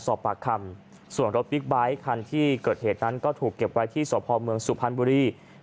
สอบปากคำส่วนรถบิ๊กไบท์คันที่เกิดเหตุนั้นก็ถูกเก็บไว้ที่สพเมืองสุพรรณบุรี